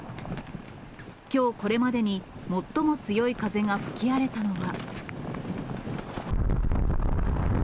きょうこれまでに最も強い風が吹き荒れたのは。